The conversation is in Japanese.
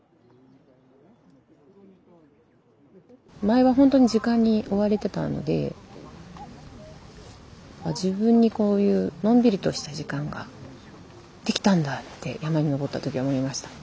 前はほんとに時間に追われてたのであ自分にこういうのんびりとした時間ができたんだって山に登った時思いました。